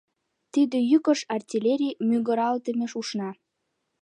Тиде йӱкыш артиллерий мӱгыралтыме ушна.